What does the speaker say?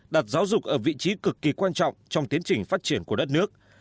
đặt giáo dục ở vị trí cực kỳ quan trọng trong tiến trình phát triển của đất nước